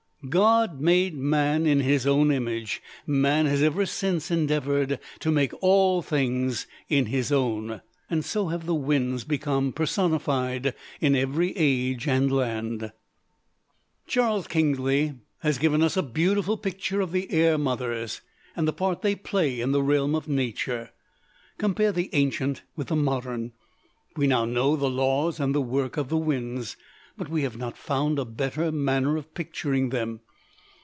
God made man in his own image; man has ever since endeavored to make all things in his own. So have the winds become personified in every age and land. Charles Kingsley has given us a beautiful picture of the "air mothers," and the part they play in the realm of nature. Compare the ancient with the modern. We now know the laws and the work of the winds; but we have not found a better manner of picturing them.